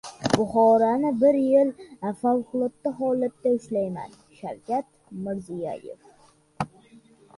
Buxoroni bir yil «favqulodda holat»da ushlayman — Shavkat Mirziyoyev